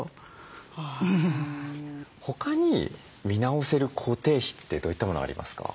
他に見直せる固定費ってどういったものがありますか？